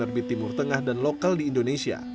terbit timur tengah dan lokal di indonesia